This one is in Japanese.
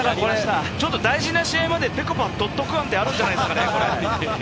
大事な試合まで、ぺこぱを取っとく案ってあるんじゃないですかね。